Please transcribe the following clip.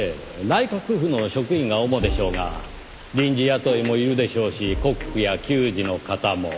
内閣府の職員が主でしょうが臨時雇いもいるでしょうしコックや給仕の方も。